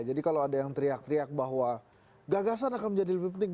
jadi kalau ada yang teriak teriak bahwa gagasan akan menjadi lebih penting